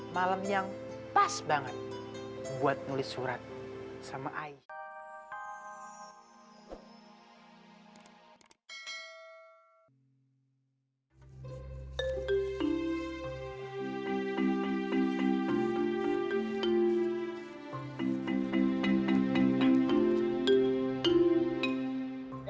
malam yang pas banget buat nulis surat sama aisyah